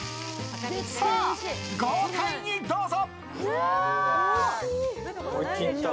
さあ、豪快にどうぞ！